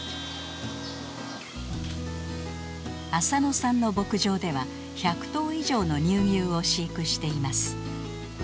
浅野さんの牧場では１００頭以上の乳牛を飼育しています。